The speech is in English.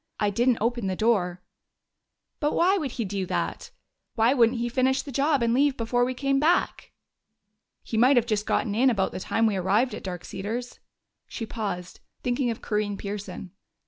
I didn't open the door." "But why would he do that? Why wouldn't he finish the job and leave before we came back?" "He might have just gotten in about the time we arrived at Dark Cedars." She paused, thinking of Corinne Pearson.